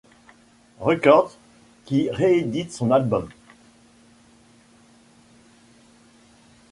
Records, qui réédite son album.